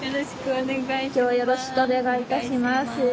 よろしくお願いします。